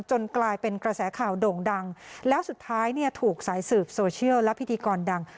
กลายเป็นกระแสข่าวโด่งดังแล้วสุดท้ายเนี่ยถูกสายสืบโซเชียลและพิธีกรดัง